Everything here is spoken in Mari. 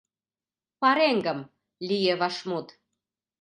— Пареҥгым, — лие вашмут.